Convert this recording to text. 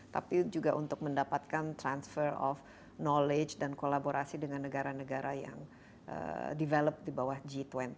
tapi juga untuk mendapatkan transfer of knowledge dan kolaborasi dengan negara negara yang develop di bawah g dua puluh